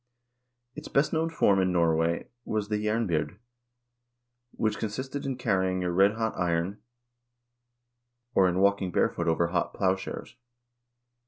Its best known form in Norway was the jernbyrd, which con sisted in carrying a redhot iron, or in walking barefooted over hot plowshares.